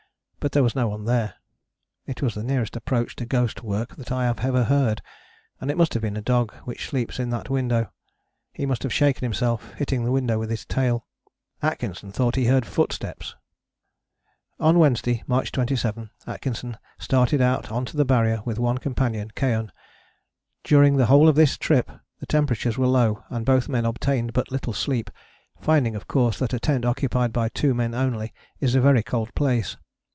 But there was no one there. It was the nearest approach to ghost work that I have ever heard, and it must have been a dog which sleeps in that window. He must have shaken himself, hitting the window with his tail. Atkinson thought he heard footsteps!" On Wednesday, March 27, Atkinson started out on to the Barrier with one companion, Keohane. During the whole of this trip the temperatures were low, and both men obtained but little sleep, finding of course that a tent occupied by two men only is a very cold place.